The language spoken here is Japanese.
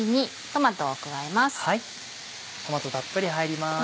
トマトたっぷり入ります。